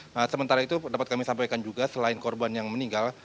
nah sementara itu dapat kami sampaikan juga selain korban yang meninggal